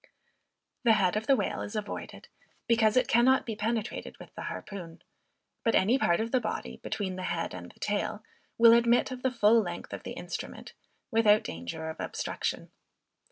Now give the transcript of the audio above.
The head of the whale is avoided, because it cannot be penetrated with the harpoon; but any part of the body, between the head and the tail, will admit of the full length of the instrument, without danger of obstruction.